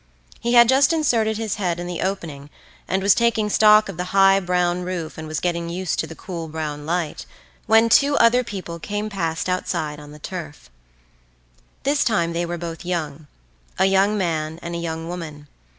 He had just inserted his head in the opening and was taking stock of the high brown roof and was getting used to the cool brown light when two other people came past outside on the turf. This time they were both young, a young man and a young woman.